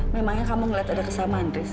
memangnya kamu ngeliat ada kesamaan terus